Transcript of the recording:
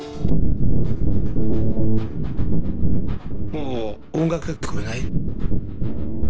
もう音楽が聞こえない。